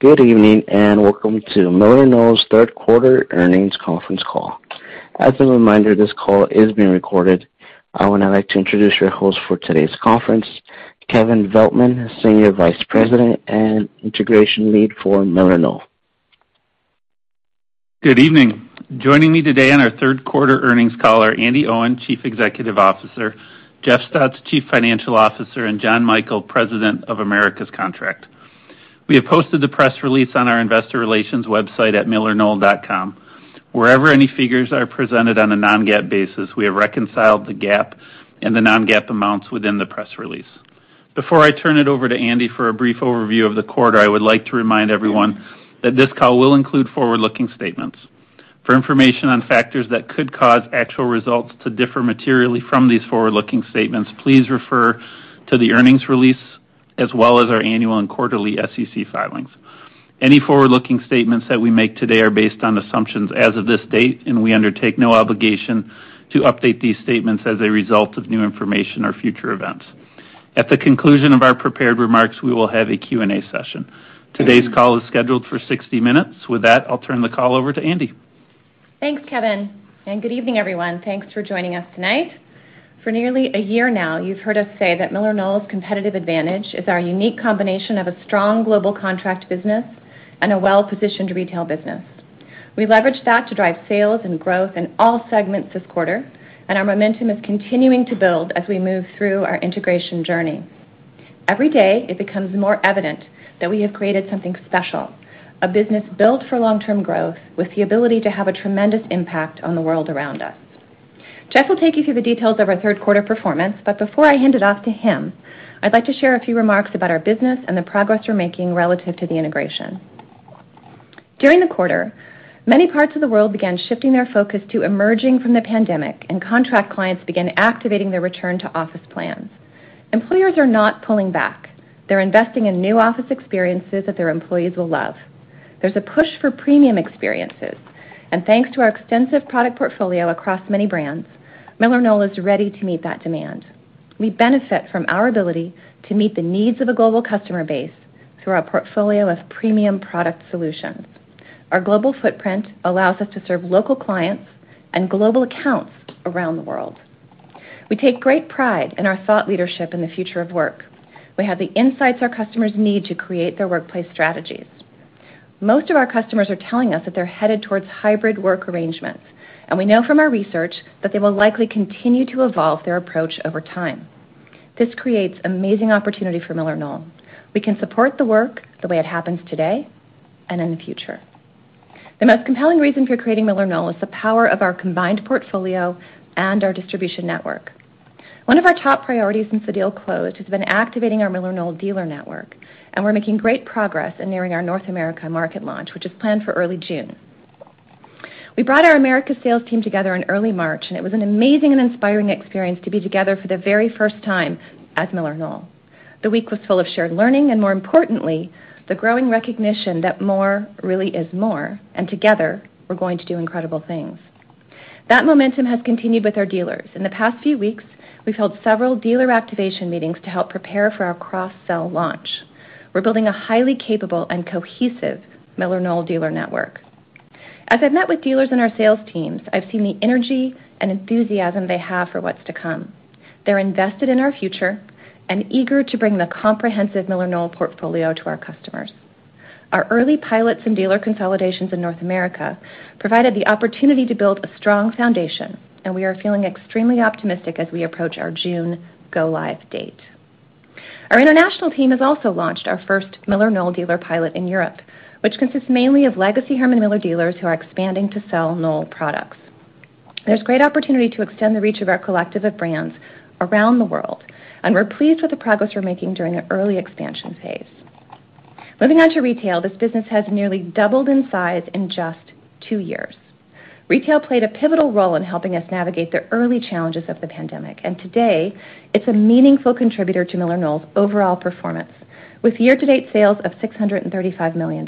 Good evening, and welcome to MillerKnoll's third quarter earnings conference call. As a reminder, this call is being recorded. I would now like to introduce your host for today's conference, Kevin Veltman, Senior Vice President and Integration Lead for MillerKnoll. Good evening. Joining me today on our third quarter earnings call are Andi Owen, Chief Executive Officer, Jeff Stutz, Chief Financial Officer, and John Michael, President of Americas Contract. We have posted the press release on our investor relations website at millerknoll.com. Wherever any figures are presented on a non-GAAP basis, we have reconciled the GAAP and the non-GAAP amounts within the press release. Before I turn it over to Andy for a brief overview of the quarter, I would like to remind everyone that this call will include forward-looking statements. For information on factors that could cause actual results to differ materially from these forward-looking statements, please refer to the earnings release, as well as our annual and quarterly SEC filings. Any forward-looking statements that we make today are based on assumptions as of this date, and we undertake no obligation to update these statements as a result of new information or future events. At the conclusion of our prepared remarks, we will have a Q&A session. Today's call is scheduled for 60 minutes. With that, I'll turn the call over to Andi. Thanks, Kevin, and good evening, everyone. Thanks for joining us tonight. For nearly a year now, you've heard us say that MillerKnoll's competitive advantage is our unique combination of a strong global contract business and a well-positioned retail business. We leveraged that to drive sales and growth in all segments this quarter, and our momentum is continuing to build as we move through our integration journey. Every day, it becomes more evident that we have created something special, a business built for long-term growth with the ability to have a tremendous impact on the world around us. Jeff will take you through the details of our third quarter performance, but before I hand it off to him, I'd like to share a few remarks about our business and the progress we're making relative to the integration. During the quarter, many parts of the world began shifting their focus to emerging from the pandemic, and contract clients began activating their return to office plans. Employers are not pulling back. They're investing in new office experiences that their employees will love. There's a push for premium experiences, and thanks to our extensive product portfolio across many brands, MillerKnoll is ready to meet that demand. We benefit from our ability to meet the needs of a global customer base through our portfolio of premium product solutions. Our global footprint allows us to serve local clients and global accounts around the world. We take great pride in our thought leadership in the future of work. We have the insights our customers need to create their workplace strategies. Most of our customers are telling us that they're headed towards hybrid work arrangements, and we know from our research that they will likely continue to evolve their approach over time. This creates amazing opportunity for MillerKnoll. We can support the work the way it happens today and in the future. The most compelling reason for creating MillerKnoll is the power of our combined portfolio and our distribution network. One of our top priorities since the deal closed has been activating our MillerKnoll dealer network, and we're making great progress in nearing our North America market launch, which is planned for early June. We brought our Americas sales team together in early March, and it was an amazing and inspiring experience to be together for the very first time at MillerKnoll. The week was full of shared learning and, more importantly, the growing recognition that more really is more, and together, we're going to do incredible things. That momentum has continued with our dealers. In the past few weeks, we've held several dealer activation meetings to help prepare for our cross-sell launch. We're building a highly capable and cohesive MillerKnoll dealer network. As I've met with dealers and our sales teams, I've seen the energy and enthusiasm they have for what's to come. They're invested in our future and eager to bring the comprehensive MillerKnoll portfolio to our customers. Our early pilots and dealer consolidations in North America provided the opportunity to build a strong foundation, and we are feeling extremely optimistic as we approach our June go-live date. Our international team has also launched our first MillerKnoll dealer pilot in Europe, which consists mainly of legacy Herman Miller dealers who are expanding to sell Knoll products. There's great opportunity to extend the reach of our collective of brands around the world, and we're pleased with the progress we're making during the early expansion phase. Moving on to retail, this business has nearly doubled in size in just two years. Retail played a pivotal role in helping us navigate the early challenges of the pandemic, and today, it's a meaningful contributor to MillerKnoll's overall performance, with year-to-date sales of $635 million.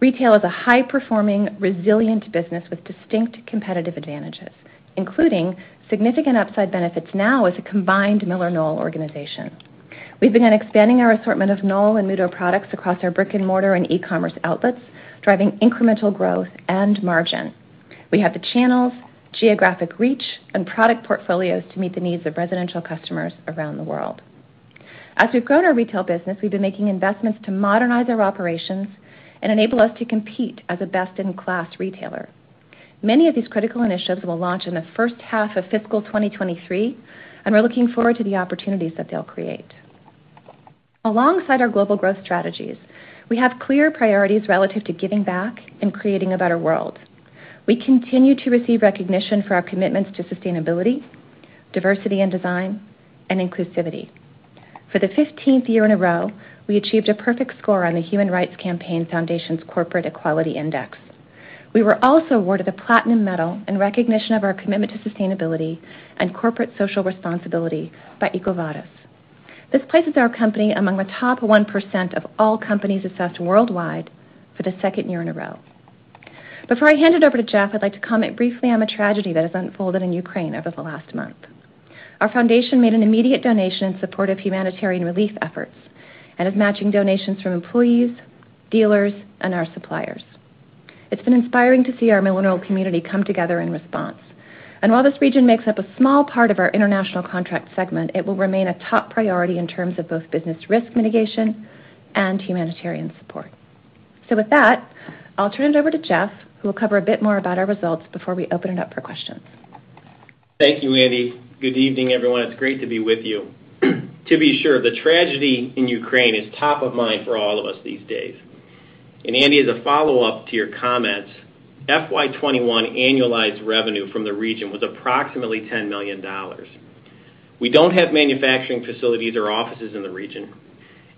Retail is a high-performing, resilient business with distinct competitive advantages, including significant upside benefits now as a combined MillerKnoll organization. We've begun expanding our assortment of Knoll and Muuto products across our brick-and-mortar and e-commerce outlets, driving incremental growth and margin. We have the channels, geographic reach, and product portfolios to meet the needs of residential customers around the world. As we've grown our retail business, we've been making investments to modernize our operations and enable us to compete as a best-in-class retailer. Many of these critical initiatives will launch in the first half of fiscal 2023, and we're looking forward to the opportunities that they'll create. Alongside our global growth strategies, we have clear priorities relative to giving back and creating a better world. We continue to receive recognition for our commitments to sustainability, diversity in design, and inclusivity. For the 15th year in a row, we achieved a perfect score on the Human Rights Campaign Foundation's Corporate Equality Index. We were also awarded the Platinum Medal in recognition of our commitment to sustainability and corporate social responsibility by EcoVadis. This places our company among the top 1% of all companies assessed worldwide for the second year in a row. Before I hand it over to Jeff, I'd like to comment briefly on the tragedy that has unfolded in Ukraine over the last month. Our foundation made an immediate donation in support of humanitarian relief efforts and is matching donations from employees, dealers, and our suppliers. It's been inspiring to see our MillerKnoll community come together in response. While this region makes up a small part of our international contract segment, it will remain a top priority in terms of both business risk mitigation and humanitarian support. With that, I'll turn it over to Jeff, who will cover a bit more about our results before we open it up for questions. Thank you, Andi. Good evening, everyone. It's great to be with you. To be sure, the tragedy in Ukraine is top of mind for all of us these days. Andi, as a follow-up to your comments, FY 2021 annualized revenue from the region was approximately $10 million. We don't have manufacturing facilities or offices in the region.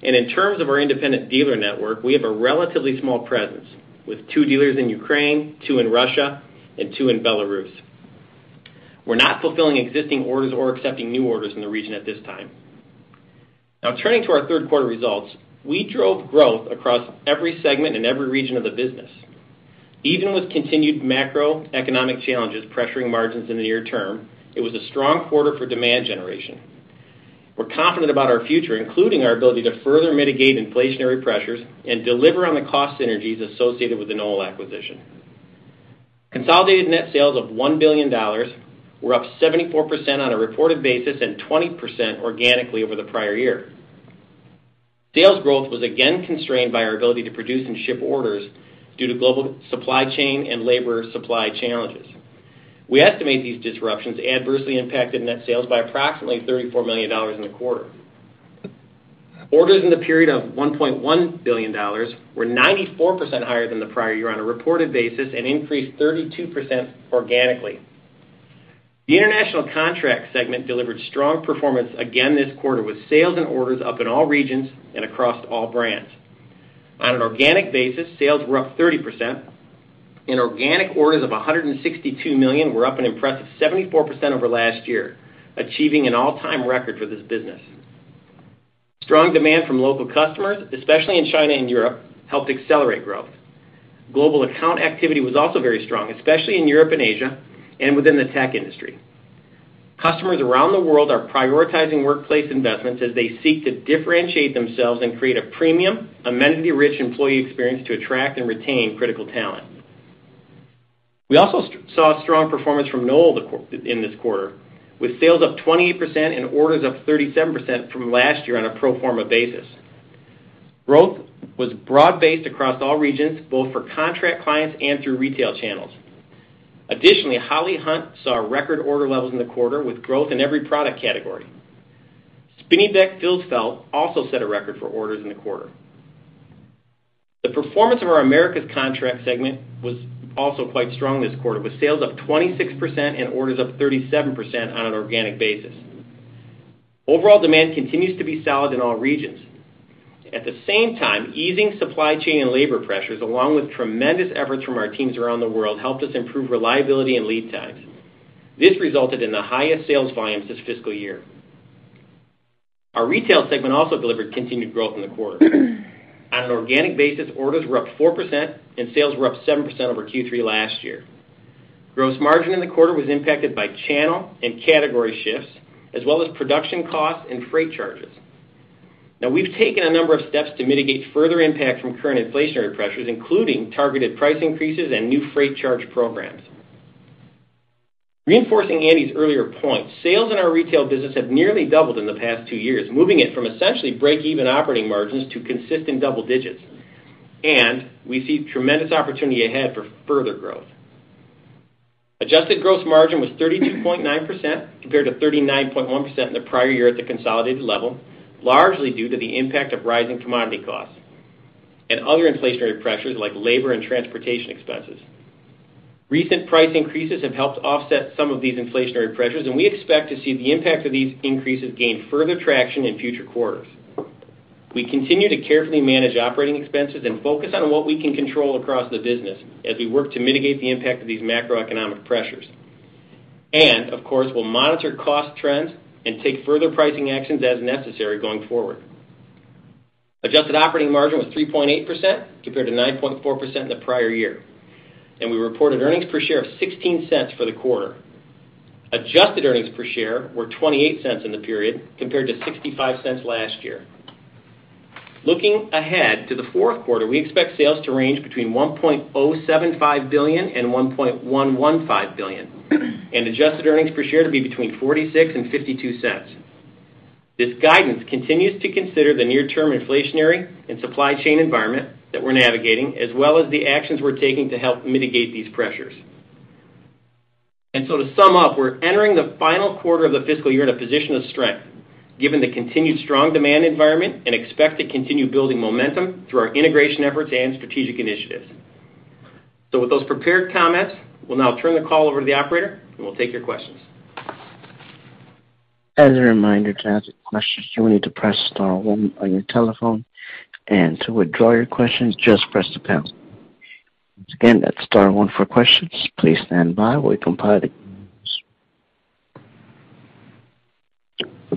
In terms of our independent dealer network, we have a relatively small presence, with two dealers in Ukraine, two in Russia, and two in Belarus. We're not fulfilling existing orders or accepting new orders in the region at this time. Now turning to our third quarter results, we drove growth across every segment and every region of the business. Even with continued macroeconomic challenges pressuring margins in the near term, it was a strong quarter for demand generation. We're confident about our future, including our ability to further mitigate inflationary pressures and deliver on the cost synergies associated with the Knoll acquisition. Consolidated net sales of $1 billion were up 74% on a reported basis and 20% organically over the prior year. Sales growth was again constrained by our ability to produce and ship orders due to global supply chain and labor supply challenges. We estimate these disruptions adversely impacted net sales by approximately $34 million in the quarter. Orders in the period of $1.1 billion were 94% higher than the prior year on a reported basis and increased 32% organically. The international contract segment delivered strong performance again this quarter, with sales and orders up in all regions and across all brands. On an organic basis, sales were up 30% and organic orders of $162 million were up an impressive 74% over last year, achieving an all-time record for this business. Strong demand from local customers, especially in China and Europe, helped accelerate growth. Global account activity was also very strong, especially in Europe and Asia and within the tech industry. Customers around the world are prioritizing workplace investments as they seek to differentiate themselves and create a premium, amenity-rich employee experience to attract and retain critical talent. We also saw strong performance from Knoll in this quarter, with sales up 28% and orders up 37% from last year on a pro forma basis. Growth was broad-based across all regions, both for contract clients and through retail channels. HOLLY HUNT saw record order levels in the quarter, with growth in every product category. Spinneybeck | FilzFelt also set a record for orders in the quarter. The performance of our Americas Contract segment was also quite strong this quarter, with sales up 26% and orders up 37% on an organic basis. Overall demand continues to be solid in all regions. At the same time, easing supply chain and labor pressures, along with tremendous efforts from our teams around the world, helped us improve reliability and lead times. This resulted in the highest sales volumes this fiscal year. Our retail segment also delivered continued growth in the quarter. On an organic basis, orders were up 4% and sales were up 7% over Q3 last year. Gross margin in the quarter was impacted by channel and category shifts, as well as production costs and freight charges. Now we've taken a number of steps to mitigate further impact from current inflationary pressures, including targeted price increases and new freight charge programs. Reinforcing Andy's earlier point, sales in our retail business have nearly doubled in the past 2 years, moving it from essentially break-even operating margins to consistent double digits. We see tremendous opportunity ahead for further growth. Adjusted gross margin was 32.9% compared to 39.1% in the prior year at the consolidated level, largely due to the impact of rising commodity costs and other inflationary pressures like labor and transportation expenses. Recent price increases have helped offset some of these inflationary pressures, and we expect to see the impact of these increases gain further traction in future quarters. We continue to carefully manage operating expenses and focus on what we can control across the business as we work to mitigate the impact of these macroeconomic pressures. Of course, we'll monitor cost trends and take further pricing actions as necessary going forward. Adjusted operating margin was 3.8% compared to 9.4% in the prior year. We reported earnings per share of $0.16 for the quarter. Adjusted earnings per share were $0.28 in the period compared to $0.65 last year. Looking ahead to the fourth quarter, we expect sales to range between $1.075 billion and $1.115 billion, and adjusted earnings per share to be between $0.46 and $0.52. This guidance continues to consider the near-term inflationary and supply chain environment that we're navigating, as well as the actions we're taking to help mitigate these pressures. To sum up, we're entering the final quarter of the fiscal year in a position of strength, given the continued strong demand environment and we expect to continue building momentum through our integration efforts and strategic initiatives. With those prepared comments, we'll now turn the call over to the operator and we'll take your questions.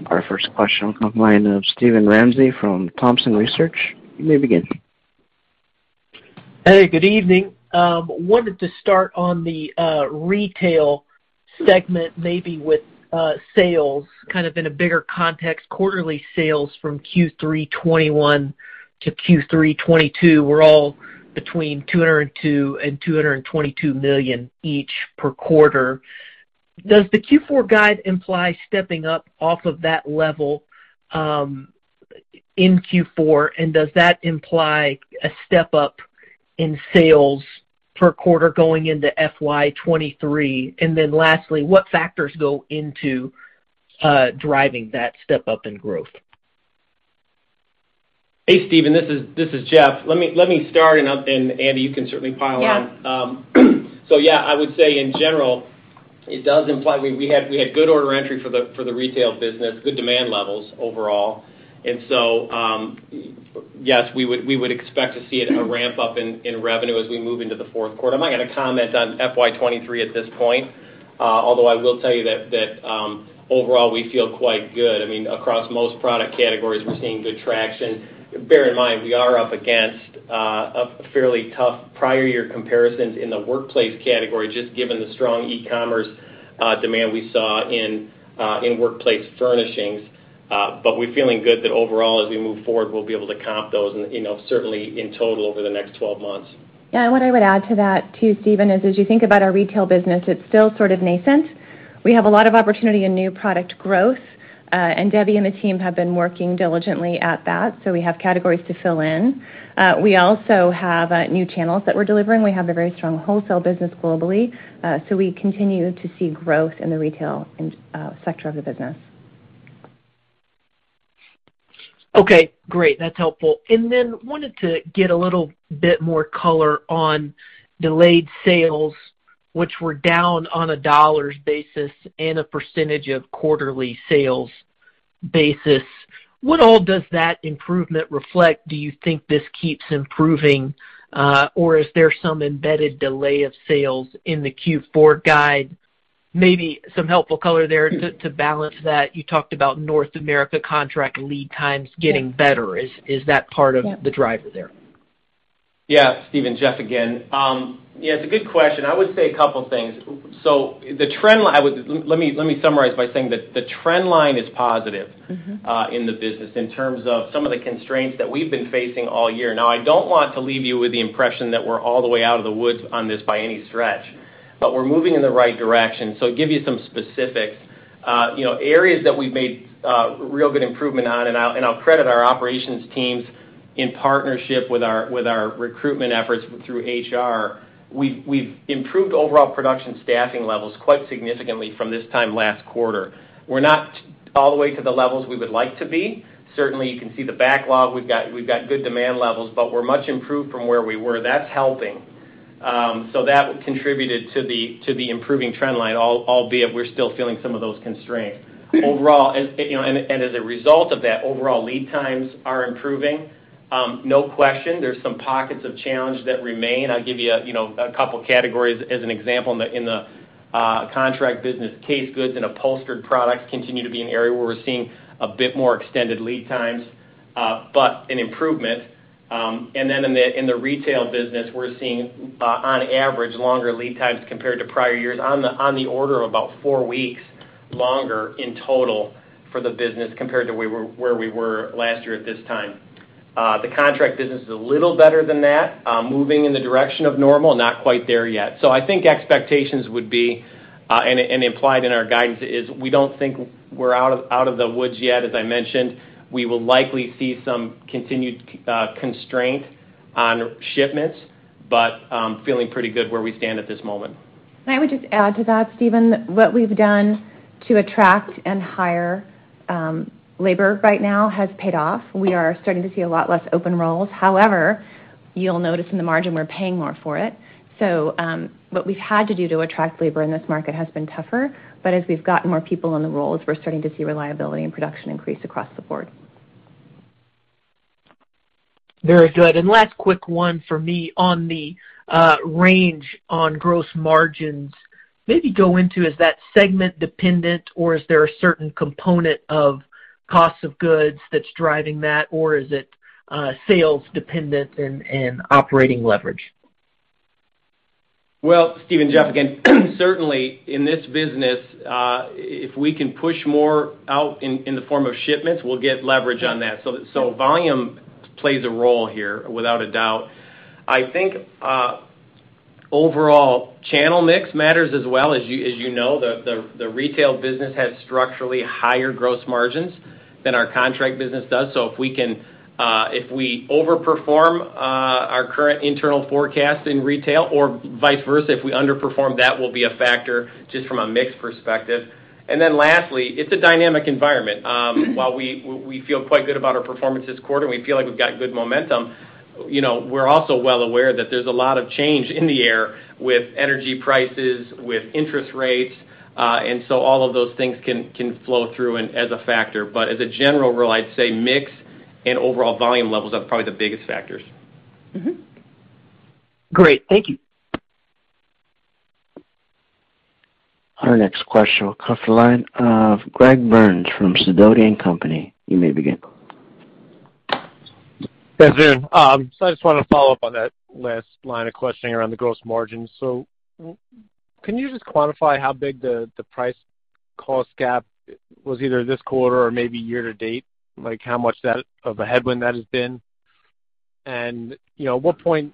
Our first question will come from the line of Steven Ramsey from Thompson Research. You may begin. Hey, good evening. Wanted to start on the retail segment, maybe with sales kind of in a bigger context. Quarterly sales from Q3 2021 to Q3 2022 were all between $202 million and $222 million each per quarter. Does the Q4 guide imply stepping up off of that level in Q4, and does that imply a step-up in sales per quarter going into FY 2023? Lastly, what factors go into driving that step-up in growth? Hey, Steven. This is Jeff. Let me start, and Andi, you can certainly pile on. Yeah. I would say in general it does imply we had good order entry for the retail business, good demand levels overall. Yes, we would expect to see it ramp up in revenue as we move into the fourth quarter. I'm not gonna comment on FY 2023 at this point, although I will tell you that overall, we feel quite good. I mean, across most product categories we're seeing good traction. Bear in mind, we are up against a fairly tough prior year comparisons in the workplace category, just given the strong e-commerce demand we saw in workplace furnishings. We're feeling good that overall, as we move forward, we'll be able to comp those and, you know, certainly in total over the next 12 months. Yeah. What I would add to that too, Steven, is as you think about our retail business, it's still sort of nascent. We have a lot of opportunity in new product growth, and Debbie and the team have been working diligently at that, so we have categories to fill in. We also have new channels that we're delivering. We have a very strong wholesale business globally. We continue to see growth in the retail and sector of the business. Okay, great. That's helpful. Wanted to get a little bit more color on delayed sales, which were down on a dollars basis and a percentage of quarterly sales basis. What all does that improvement reflect? Do you think this keeps improving, or is there some embedded delay of sales in the Q4 guide? Maybe some helpful color there to balance that. You talked about North America contract lead times getting better. Is that part of the driver there? Yeah, Steven, Jeff again. Yeah, it's a good question. I would say a couple things. Let me summarize by saying that the trend line is positive. Mm-hmm In the business in terms of some of the constraints that we've been facing all year. Now, I don't want to leave you with the impression that we're all the way out of the woods on this by any stretch, but we're moving in the right direction. To give you some specifics, you know, areas that we've made real good improvement on, and I'll credit our operations teams in partnership with our recruitment efforts through HR, we've improved overall production staffing levels quite significantly from this time last quarter. We're not all the way to the levels we would like to be. Certainly, you can see the backlog. We've got good demand levels, but we're much improved from where we were. That's helping. That contributed to the improving trend line, albeit we're still feeling some of those constraints. Overall, as a result of that, overall lead times are improving. No question, there's some pockets of challenge that remain. I'll give you a couple categories as an example. In the contract business, case goods and upholstered products continue to be an area where we're seeing a bit more extended lead times, but an improvement. In the retail business, we're seeing on average longer lead times compared to prior years on the order of about four weeks longer in total for the business compared to where we were last year at this time. The contract business is a little better than that, moving in the direction of normal, not quite there yet. I think expectations would be, and implied in our guidance is we don't think we're out of the woods yet, as I mentioned. We will likely see some continued constraint on shipments, but feeling pretty good where we stand at this moment. I would just add to that, Steven, what we've done to attract and hire labor right now has paid off. We are starting to see a lot less open roles. However, you'll notice in the margin we're paying more for it. What we've had to do to attract labor in this market has been tougher, as we've gotten more people in the roles, we're starting to see reliability and production increase across the board. Very good. Last quick one for me on the range on gross margins. Maybe go into is that segment dependent or is there a certain component of cost of goods that's driving that or is it sales dependent and operating leverage? Well, Steven, Jeff again. Certainly, in this business, if we can push more out in the form of shipments, we'll get leverage on that. So volume plays a role here, without a doubt. I think overall channel mix matters as well. As you know, the retail business has structurally higher gross margins than our contract business does. So if we overperform our current internal forecast in retail or vice versa, if we underperform, that will be a factor just from a mix perspective. Lastly, it's a dynamic environment. While we feel quite good about our performance this quarter and we feel like we've got good momentum, you know, we're also well aware that there's a lot of change in the air with energy prices, with interest rates, and so all of those things can flow through and as a factor. As a general rule, I'd say mix and overall volume levels are probably the biggest factors. Mm-hmm. Great. Thank you. Our next question will come from the line of Greg Burns from Sidoti & Company. You may begin. Thanks, Zoon. I just want to follow up on that last line of questioning around the gross margin. Can you just quantify how big the price cost gap was either this quarter or maybe year to date? Like, how much of a headwind that has been? You know, at what point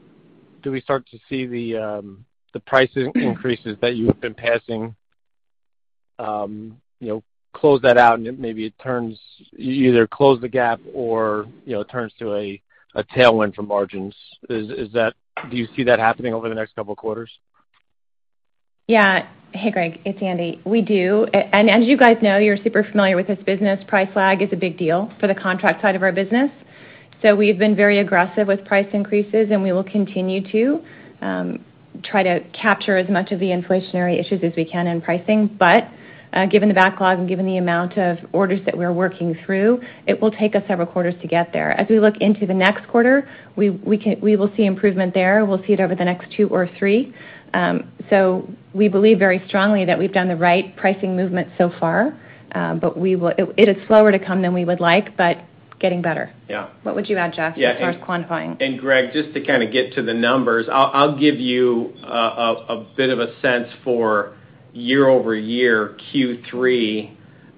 do we start to see the price increases that you have been passing, you know, close that out, and maybe you either close the gap or, you know, turns to a tailwind for margins. Do you see that happening over the next couple of quarters? Yeah. Hey, Greg, it's Andi. We do. And as you guys know, you're super familiar with this business, price lag is a big deal for the contract side of our business. We've been very aggressive with price increases, and we will continue to try to capture as much of the inflationary issues as we can in pricing. Given the backlog and given the amount of orders that we're working through, it will take us several quarters to get there. As we look into the next quarter, we will see improvement there. We'll see it over the next two or three. We believe very strongly that we've done the right pricing movement so far, we will. It is slower to come than we would like, getting better. Yeah. What would you add, Jeff, as far as quantifying? Greg, just to kinda get to the numbers, I'll give you a bit of a sense for year-over-year Q3,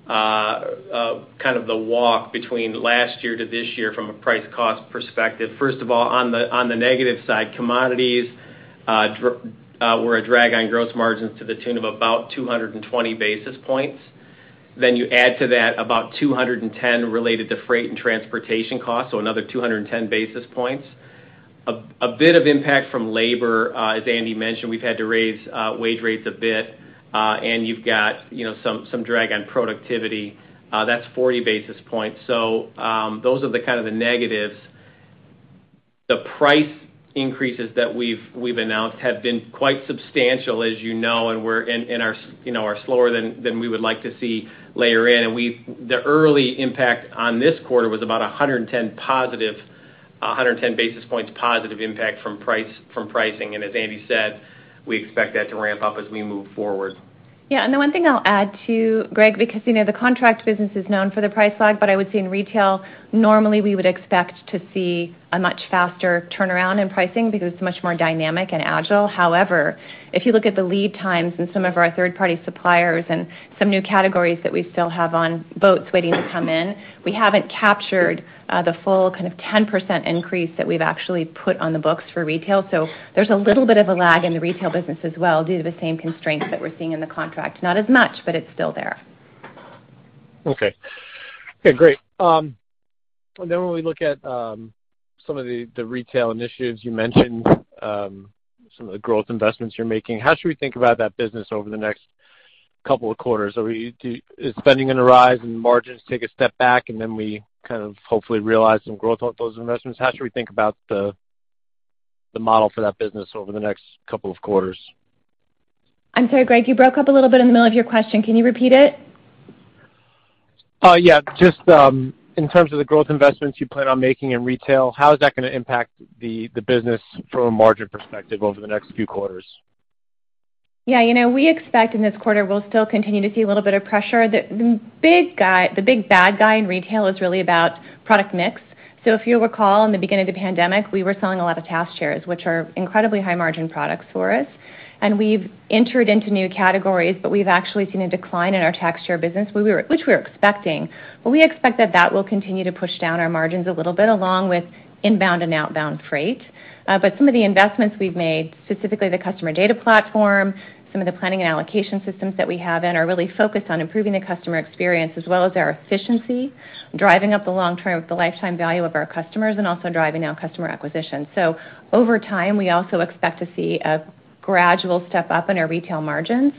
kind of the walk between last year to this year from a price cost perspective. First of all, on the negative side, commodities were a drag on gross margins to the tune of about 220 basis points. Then you add to that about 210 related to freight and transportation costs, so another 210 basis points. A bit of impact from labor, as Andi mentioned, we've had to raise wage rates a bit, and you've got, you know, some drag on productivity, that's 40 basis points. Those are kind of the negatives. The price increases that we've announced have been quite substantial, as you know, and are, you know, slower than we would like to see later in. The early impact on this quarter was about 110 basis points positive impact from pricing. As Andi said, we expect that to ramp up as we move forward. Yeah. The one thing I'll add, too, Greg, because, you know, the contract business is known for the price lag, but I would say in retail, normally we would expect to see a much faster turnaround in pricing because it's much more dynamic and agile. However, if you look at the lead times in some of our third-party suppliers and some new categories that we still have on boats waiting to come in, we haven't captured the full kind of 10% increase that we've actually put on the books for retail. There's a little bit of a lag in the retail business as well due to the same constraints that we're seeing in the contract. Not as much, but it's still there. Okay. Okay, great. When we look at some of the retail initiatives you mentioned, some of the growth investments you're making, how should we think about that business over the next couple of quarters? Is spending gonna rise and margins take a step back, and then we kind of hopefully realize some growth on those investments? How should we think about the model for that business over the next couple of quarters? I'm sorry, Greg, you broke up a little bit in the middle of your question. Can you repeat it? Yeah. Just in terms of the growth investments you plan on making in retail, how is that gonna impact the business from a margin perspective over the next few quarters? Yeah. You know, we expect in this quarter we'll still continue to see a little bit of pressure. The big bad guy in retail is really about product mix. If you'll recall, in the beginning of the pandemic, we were selling a lot of task chairs, which are incredibly high-margin products for us. We've entered into new categories, but we've actually seen a decline in our task chair business, which we were expecting. We expect that will continue to push down our margins a little bit, along with inbound and outbound freight. Some of the investments we've made, specifically the customer data platform, some of the planning and allocation systems that we have in are really focused on improving the customer experience as well as our efficiency, driving up the lifetime value of our customers and also driving our customer acquisition. Over time, we also expect to see a gradual step up in our retail margins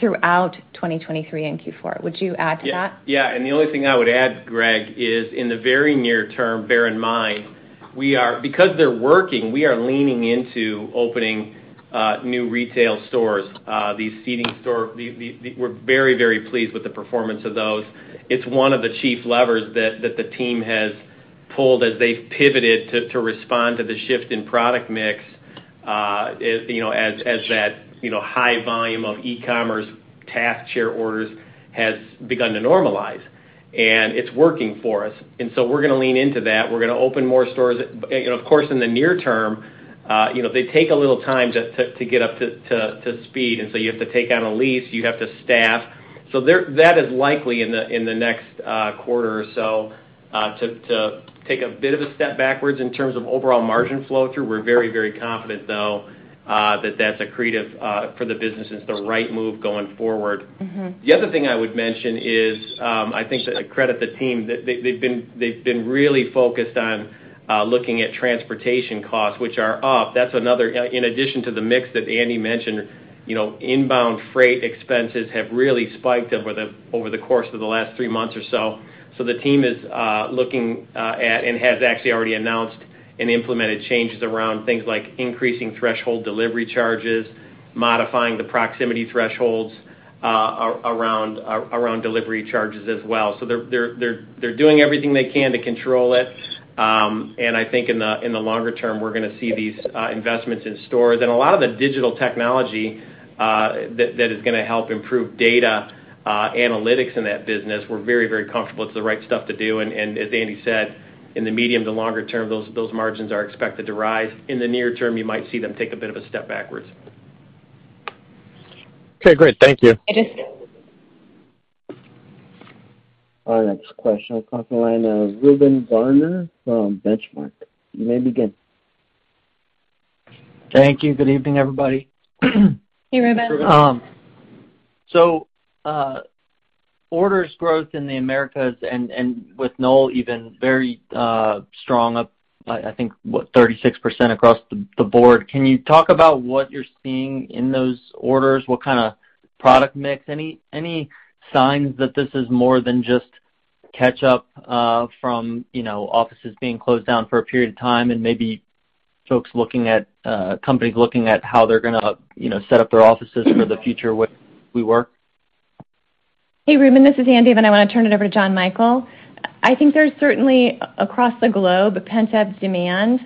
throughout 2023 and Q4. Would you add to that? Yeah. Yeah, the only thing I would add, Greg, is in the very near term, bear in mind, we are leaning into opening new retail stores, these seating stores. We're very pleased with the performance of those. It's one of the chief levers that the team has pulled as they've pivoted to respond to the shift in product mix, you know, as that high volume of e-commerce task chair orders has begun to normalize, and it's working for us. We're gonna lean into that. We're gonna open more stores. Of course, in the near term, they take a little time to get up to speed. You have to take on a lease, you have to staff. That is likely in the next quarter or so to take a bit of a step backwards in terms of overall margin flow through. We're very, very confident, though, that that's accretive for the business. It's the right move going forward. Mm-hmm. The other thing I would mention is, I think to credit the team, they've been really focused on looking at transportation costs, which are up. That's another. In addition to the mix that Andi mentioned, you know, inbound freight expenses have really spiked over the course of the last three months or so. The team is looking at and has actually already announced and implemented changes around things like increasing threshold delivery charges, modifying the proximity thresholds Around delivery charges as well. They're doing everything they can to control it. I think in the longer term, we're gonna see these investments in stores. A lot of the digital technology that is gonna help improve data analytics in that business, we're very, very comfortable it's the right stuff to do. As Andi said, in the medium to longer term, those margins are expected to rise. In the near term, you might see them take a bit of a step backwards. Okay, great. Thank you. Our next question, on the line, Reuben Garner from Benchmark. You may begin. Thank you. Good evening, everybody. Hey, Reuben. Orders growth in the Americas and with Knoll even very strong up, I think, what, 36% across the board. Can you talk about what you're seeing in those orders? What kind of product mix? Any signs that this is more than just catch up from, you know, offices being closed down for a period of time, and maybe folks looking at companies looking at how they're gonna, you know, set up their offices for the future way we work? Hey, Reuben, this is Andi. I wanna turn it over to John Michael. I think there's certainly, across the globe, a pent-up demand.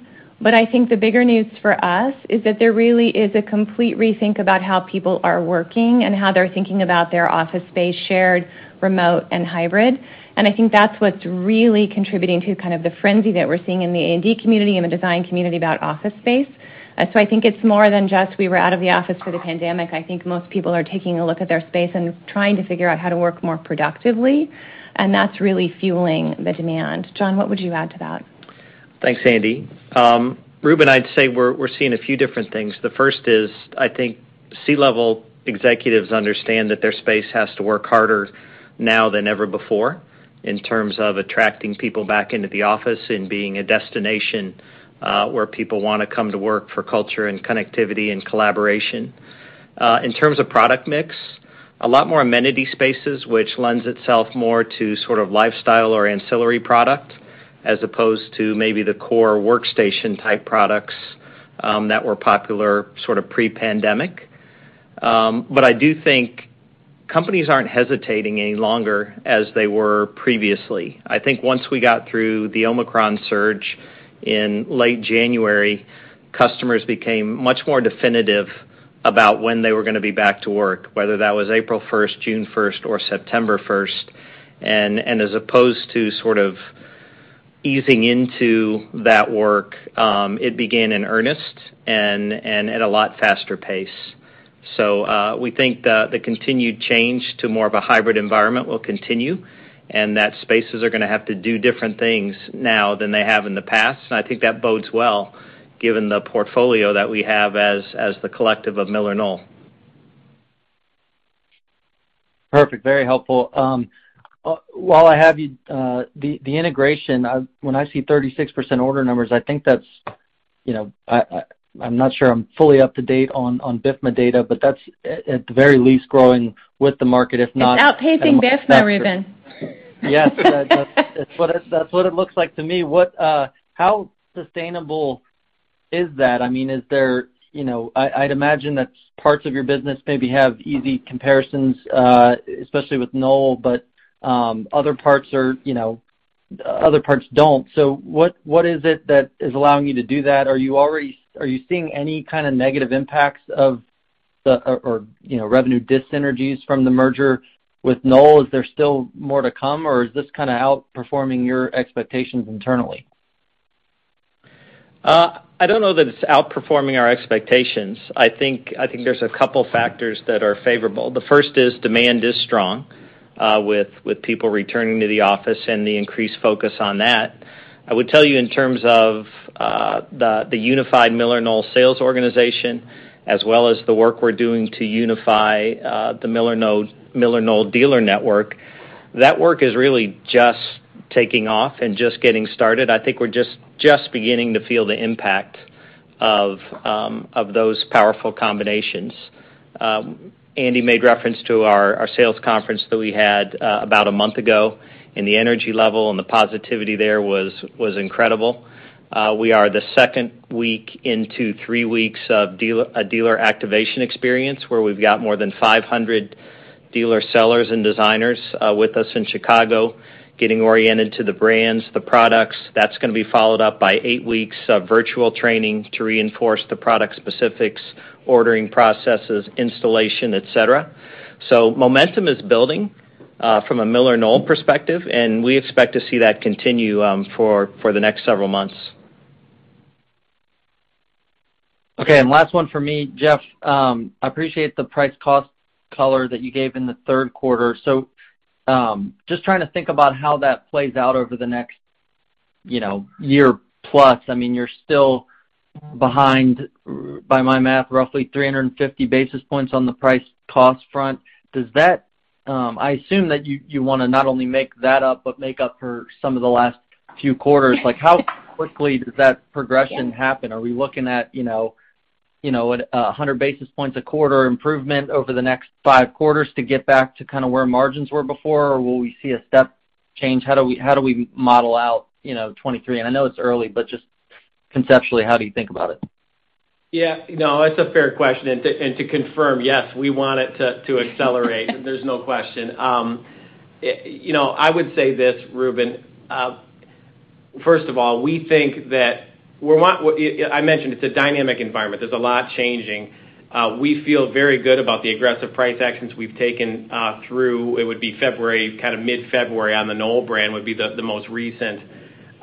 I think the bigger news for us is that there really is a complete rethink about how people are working and how they're thinking about their office space, shared, remote, and hybrid. I think that's what's really contributing to kind of the frenzy that we're seeing in the A&D community and the design community about office space. I think it's more than just we were out of the office for the pandemic. I think most people are taking a look at their space and trying to figure out how to work more productively, and that's really fueling the demand. John, what would you add to that? Thanks, Andi. Reuben, I'd say we're seeing a few different things. The first is, I think C-level executives understand that their space has to work harder now than ever before in terms of attracting people back into the office and being a destination, where people wanna come to work for culture and connectivity and collaboration. In terms of product mix, a lot more amenity spaces, which lends itself more to sort of lifestyle or ancillary product as opposed to maybe the core workstation-type products, that were popular sort of pre-pandemic. I do think companies aren't hesitating any longer as they were previously. I think once we got through the Omicron surge in late January, customers became much more definitive about when they were gonna be back to work, whether that was April first, June first, or September first. As opposed to sort of easing into that work, it began in earnest and at a lot faster pace. We think the continued change to more of a hybrid environment will continue, and that spaces are gonna have to do different things now than they have in the past. I think that bodes well given the portfolio that we have as the collective of MillerKnoll. Perfect. Very helpful. While I have you, the integration, when I see 36% order numbers, I think that's. I'm not sure I'm fully up to date on BIFMA data, but that's at the very least growing with the market, if not- It's outpacing BIFMA, Reuben. Yes. That's what it looks like to me. How sustainable is that? I mean, I'd imagine that parts of your business maybe have easy comparisons, especially with Knoll, but other parts don't. What is it that is allowing you to do that? Are you already seeing any kind of negative impacts or revenue dyssynergies from the merger with Knoll? Is there still more to come, or is this kind of outperforming your expectations internally? I don't know that it's outperforming our expectations. I think there's a couple factors that are favorable. The first is demand is strong, with people returning to the office and the increased focus on that. I would tell you in terms of the unified MillerKnoll sales organization as well as the work we're doing to unify the MillerKnoll dealer network, that work is really just taking off and just getting started. I think we're just beginning to feel the impact of those powerful combinations. Andi made reference to our sales conference that we had about a month ago, and the energy level and the positivity there was incredible. We are the second week into three weeks of a dealer activation experience, where we've got more than 500 dealer sellers and designers with us in Chicago getting oriented to the brands, the products. That's gonna be followed up by 8 weeks of virtual training to reinforce the product specifics, ordering processes, installation, et cetera. Momentum is building from a MillerKnoll perspective, and we expect to see that continue for the next several months. Okay. Last one for me. Jeff, I appreciate the price cost color that you gave in the third quarter. Just trying to think about how that plays out over the next, you know, year plus. I mean, you're still behind, by my math, roughly 350 basis points on the price cost front. Does that? I assume that you wanna not only make that up but make up for some of the last few quarters. Like, how quickly does that progression happen? Are we looking at, you know, a 100 basis points a quarter improvement over the next 5 quarters to get back to kind of where margins were before, or will we see a step change? How do we model out, you know, 2023? I know it's early, but just conceptually, how do you think about it? Yeah. No, it's a fair question. To confirm, yes, we want it to accelerate. There's no question. You know, I would say this, Reuben. First of all, I mentioned it's a dynamic environment. There's a lot changing. We feel very good about the aggressive price actions we've taken through it would be February, kinda mid-February on the Knoll brand would be the most recent.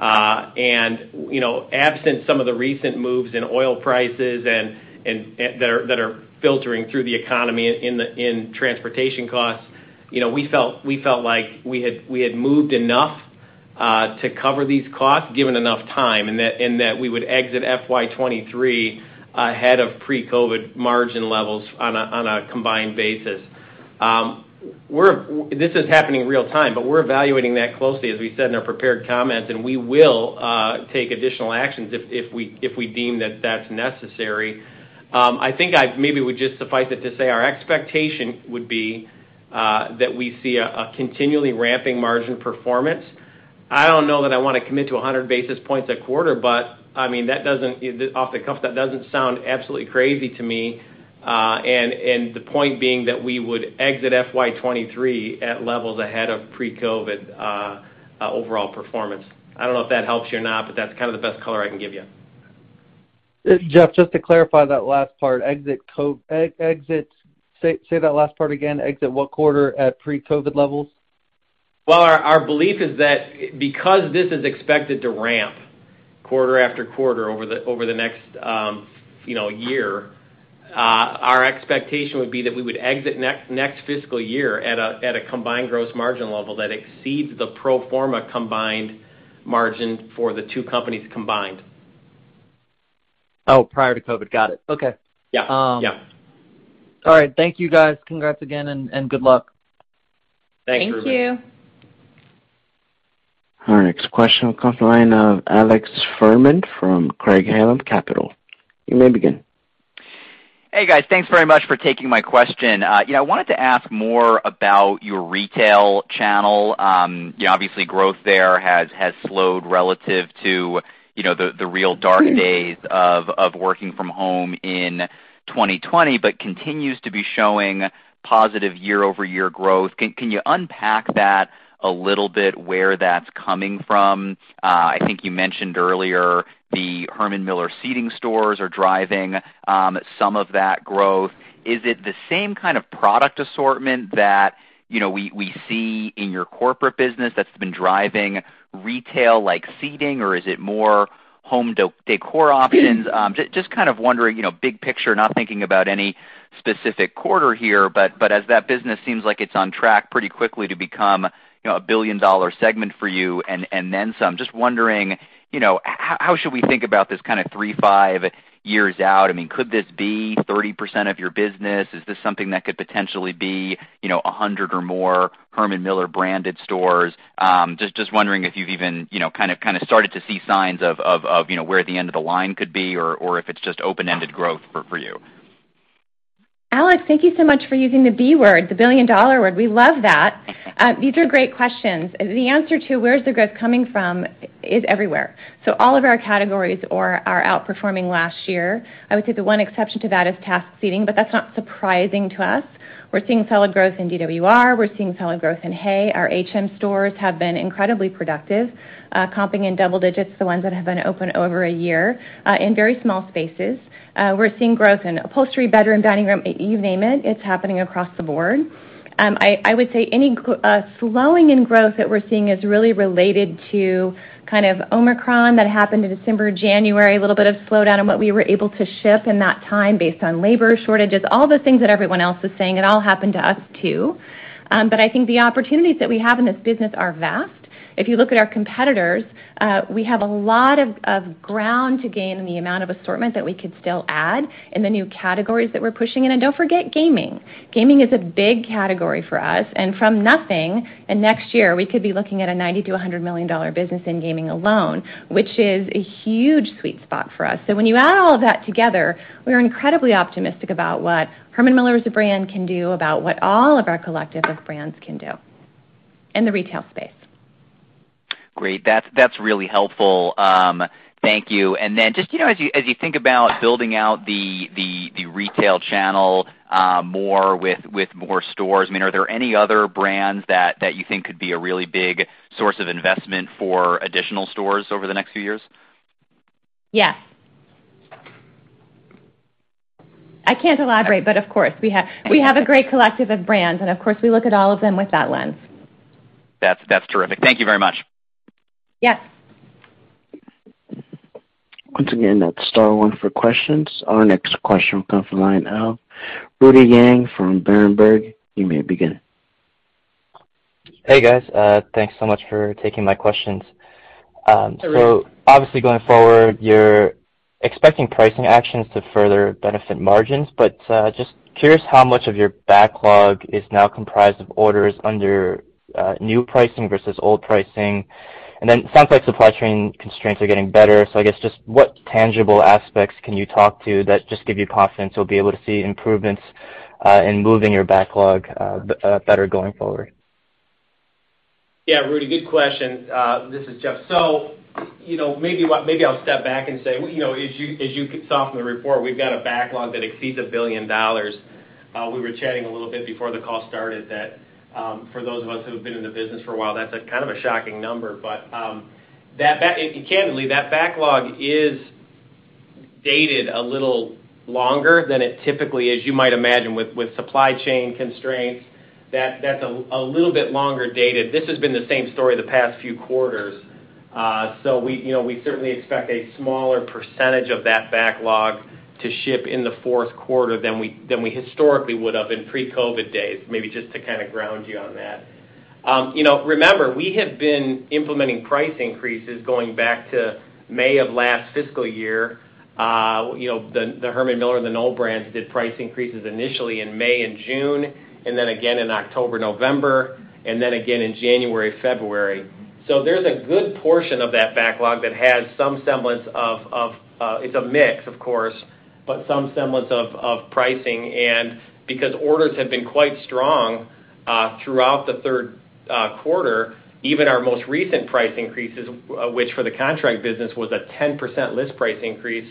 You know, absent some of the recent moves in oil prices and that are filtering through the economy in the transportation costs, you know, we felt like we had moved enough to cover these costs given enough time, and that we would exit FY 2023 ahead of pre-COVID margin levels on a combined basis. This is happening in real time, but we're evaluating that closely, as we said in our prepared comments, and we will take additional actions if we deem that that's necessary. I think it would just suffice to say our expectation would be that we see a continually ramping margin performance. I don't know that I wanna commit to 100 basis points a quarter, but I mean, off the cuff, that doesn't sound absolutely crazy to me. The point being that we would exit FY 2023 at levels ahead of pre-COVID overall performance. I don't know if that helps you or not, but that's kind of the best color I can give you. Jeff, just to clarify that last part. Say that last part again. Exit what quarter at pre-COVID levels? Well, our belief is that because this is expected to ramp quarter after quarter over the next, you know, year, our expectation would be that we would exit next fiscal year at a combined gross margin level that exceeds the pro forma combined margin for the two companies combined. Oh, prior to COVID. Got it. Okay. Yeah. Yeah. All right. Thank you, guys. Congrats again, and good luck. Thanks, Reuben. Thank you. Our next question will come from the line of Alex Fuhrman from Craig-Hallum Capital. You may begin. Hey, guys. Thanks very much for taking my question. You know, I wanted to ask more about your retail channel. You know, obviously growth there has slowed relative to you know, the real dark days of working from home in 2020, but continues to be showing positive year-over-year growth. Can you unpack that a little bit where that's coming from? I think you mentioned earlier the Herman Miller seating stores are driving some of that growth. Is it the same kind of product assortment that you know, we see in your corporate business that's been driving retail, like seating, or is it more home decor options? Just kind of wondering, you know, big picture, not thinking about any specific quarter here, but as that business seems like it's on track pretty quickly to become, you know, a billion-dollar segment for you and then some. Just wondering, you know, how should we think about this kinda 3, 5 years out? I mean, could this be 30% of your business? Is this something that could potentially be, you know, 100 or more Herman Miller branded stores? Just wondering if you've even, you know, kind of, kinda started to see signs of, you know, where the end of the line could be or if it's just open-ended growth for you. Alex, thank you so much for using the B word, the billion-dollar word. We love that. These are great questions. The answer to where's the growth coming from is everywhere. All of our categories are outperforming last year. I would say the one exception to that is task seating, but that's not surprising to us. We're seeing solid growth in DWR. We're seeing solid growth in HAY. Our HM stores have been incredibly productive, comping in double digits, the ones that have been open over a year, in very small spaces. We're seeing growth in upholstery, bedroom, dining room, you name it. It's happening across the board. I would say any slowing in growth that we're seeing is really related to kind of Omicron that happened in December, January, a little bit of slowdown in what we were able to ship in that time based on labor shortages, all the things that everyone else is saying. It all happened to us too. I think the opportunities that we have in this business are vast. If you look at our competitors, we have a lot of ground to gain in the amount of assortment that we could still add in the new categories that we're pushing in. Don't forget gaming. Gaming is a big category for us. From nothing, and next year, we could be looking at a $90 million-$100 million business in gaming alone, which is a huge sweet spot for us. When you add all of that together, we're incredibly optimistic about what Herman Miller as a brand can do about what all of our collective of brands can do in the retail space. Great. That's really helpful. Thank you. Just, you know, as you think about building out the retail channel more with more stores, I mean, are there any other brands that you think could be a really big source of investment for additional stores over the next few years? Yes. I can't elaborate, but of course. We have a great collective of brands, and of course, we look at all of them with that lens. That's terrific. Thank you very much. Yes. Once again, that's star one for questions. Our next question will come from the line of Rudy Yang from Berenberg. You may begin. Hey, guys. Thanks so much for taking my questions. Obviously going forward, you're expecting pricing actions to further benefit margins. Just curious how much of your backlog is now comprised of orders under new pricing versus old pricing. Then it sounds like supply chain constraints are getting better. I guess just what tangible aspects can you talk to that just give you confidence you'll be able to see improvements in moving your backlog better going forward? Yeah, Rudy, good question. This is Jeff. You know, maybe I'll step back and say, you know, as you saw from the report, we've got a backlog that exceeds $1 billion. We were chatting a little bit before the call started that, for those of us who have been in the business for a while, that's a kind of a shocking number. Candidly, that backlog is dated a little longer than it typically is. You might imagine with supply chain constraints, that's a little bit longer dated. This has been the same story the past few quarters. We certainly expect a smaller percentage of that backlog to ship in the fourth quarter than we historically would have in pre-COVID days, maybe just to kinda ground you on that. You know, remember, we have been implementing price increases going back to May of last fiscal year. You know, the Herman Miller and the Knoll brands did price increases initially in May and June, and then again in October, November, and then again in January, February. There's a good portion of that backlog that has some semblance of pricing. It's a mix, of course. Because orders have been quite strong throughout the third quarter, even our most recent price increases, which for the contract business was a 10% list price increase,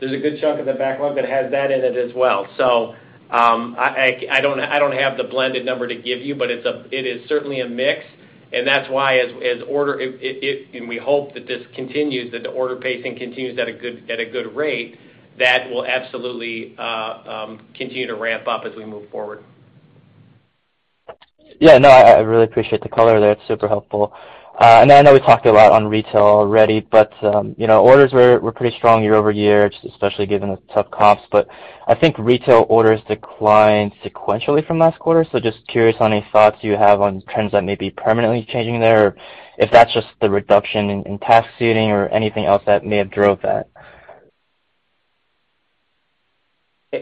there's a good chunk of the backlog that has that in it as well. I don't have the blended number to give you, but it is certainly a mix, and that's why we hope that this continues, that the order pacing continues at a good rate, that will absolutely continue to ramp up as we move forward. Yeah, no, I really appreciate the color there. It's super helpful. I know we talked a lot on retail already, but you know, orders were pretty strong year-over-year, just especially given the tough comps. I think retail orders declined sequentially from last quarter. Just curious on any thoughts you have on trends that may be permanently changing there or if that's just the reduction in task seating or anything else that may have drove that.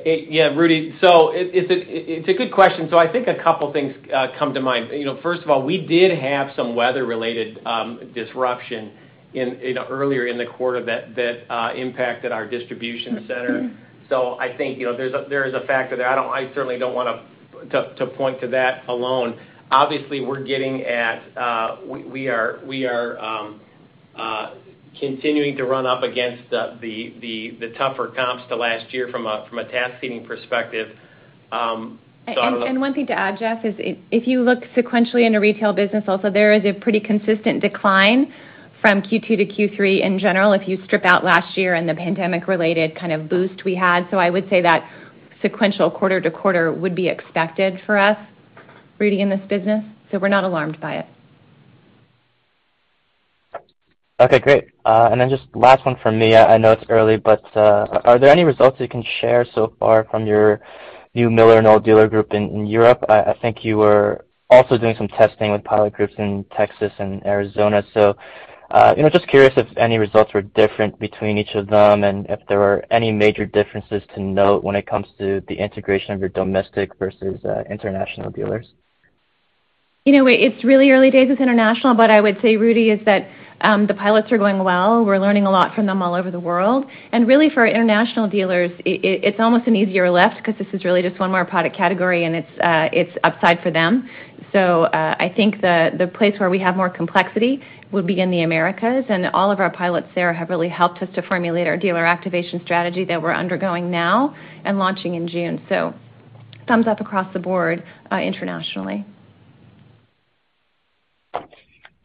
Yeah, Rudy, it's a good question. I think a couple things come to mind. You know, first of all, we did have some weather-related disruption earlier in the quarter that impacted our distribution center. I think, you know, there is a factor there. I certainly don't want to point to that alone. Obviously, we are continuing to run up against the tougher comps to last year from a task seating perspective, so I don't know. One thing to add, Jeff, is if you look sequentially in the retail business also, there is a pretty consistent decline from Q2 to Q3 in general, if you strip out last year and the pandemic-related kind of boost we had. I would say that sequential quarter to quarter would be expected for us, Rudy, in this business, so we're not alarmed by it. Okay, great. Just last one from me. I know it's early, but are there any results you can share so far from your new MillerKnoll dealer group in Europe? I think you were also doing some testing with pilot groups in Texas and Arizona. You know, just curious if any results were different between each of them and if there were any major differences to note when it comes to the integration of your domestic versus international dealers. You know, it's really early days with international, but I would say, Rudy, that the pilots are going well. We're learning a lot from them all over the world. Really, for our international dealers, it's almost an easier lift 'cause this is really just one more product category and it's upside for them. I think the place where we have more complexity would be in the Americas, and all of our pilots there have really helped us to formulate our dealer activation strategy that we're undergoing now and launching in June. Thumbs up across the board, internationally.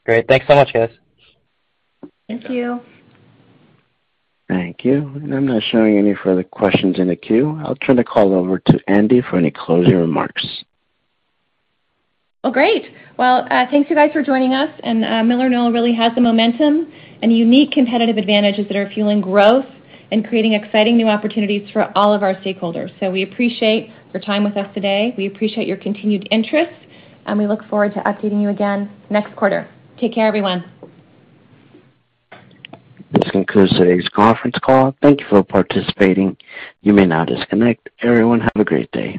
Great. Thanks so much, guys. Thank you. Thank you. I'm not showing any further questions in the queue. I'll turn the call over to Andi for any closing remarks. Well, great. Well, thanks you guys for joining us, and MillerKnoll really has the momentum and unique competitive advantages that are fueling growth and creating exciting new opportunities for all of our stakeholders. We appreciate your time with us today. We appreciate your continued interest, and we look forward to updating you again next quarter. Take care, everyone. This concludes today's conference call. Thank you for participating. You may now disconnect. Everyone, have a great day.